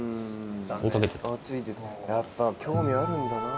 やっぱ興味あるんだな。